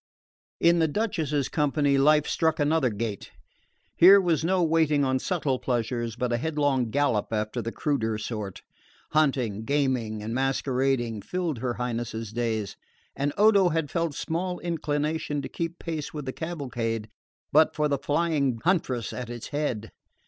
In the Duchess's company life struck another gait. Here was no waiting on subtle pleasures, but a headlong gallop after the cruder sort. Hunting, gaming and masquerading filled her Highness's days; and Odo had felt small inclination to keep pace with the cavalcade, but for the flying huntress at its head.